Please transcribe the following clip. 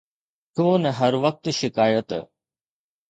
ڇو نه هر وقت شڪايت